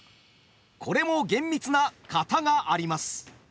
これも厳密な「型」があります。